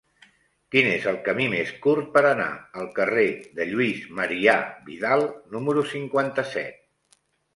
Quin és el camí més curt per anar al carrer de Lluís Marià Vidal número cinquanta-set?